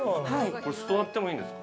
◆これ座ってもいいんですか？